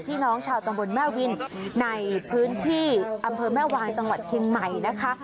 พี่น้องชาวตำบลแม่วินในพื้นที่อำเภอแม่วางจังหวัดเชียงใหม่นะคะ